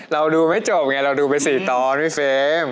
เราดูไม่จบไงเราดูไป๔ตอนพี่เฟรม